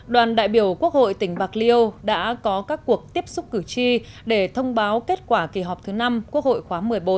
đoàn đại biểu quốc hội tỉnh bạc liêu đã có các cuộc tiếp xúc cử tri để thông báo kết quả kỳ họp thứ năm quốc hội khóa một mươi bốn